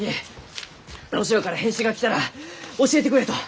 ロシアから返信が来たら教えてくれと！